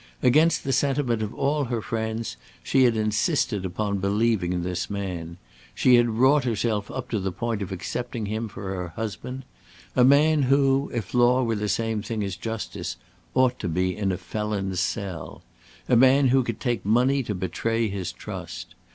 Against the sentiment of all her friends she had insisted upon believing in this man; she had wrought herself up to the point of accepting him for her husband; a man who, if law were the same thing as justice, ought to be in a felon's cell; a man who could take money to betray his trust.